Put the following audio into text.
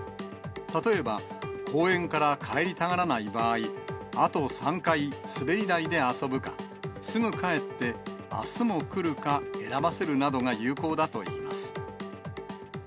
例えば、公園から帰りたがらない場合、あと３回、滑り台で遊ぶか、すぐ帰ってあすも来るか、選ばせるなどが有効だといいます。